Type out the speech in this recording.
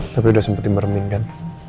tapi udah sempet dimereming kan